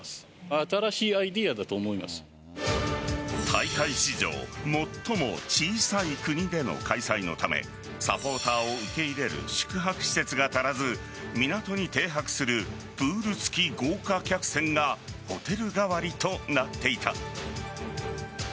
大会史上最も小さい国での開催のためサポーターを受け入れる宿泊施設が足らず港に停泊するプール付き豪華客船がホテル代わりとなっていた。